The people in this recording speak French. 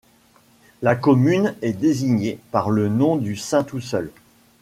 La commune est désignée par le nom du Saint tout seul.